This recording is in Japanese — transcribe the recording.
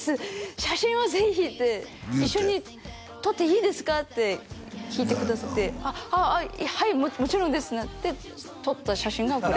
写真をぜひ！」って「一緒に撮っていいですか？」って聞いてくださって「はいもちろんです」って撮った写真がこれです